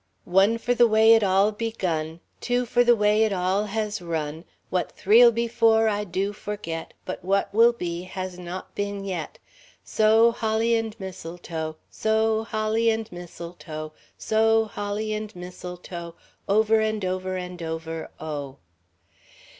"One for the way it all begun, Two for the way it all has run, What three'll be for I do forget, But what will be has not been yet. So holly and mistletoe, So holly and mistletoe, So holly and mistletoe Over and over and over, oh!"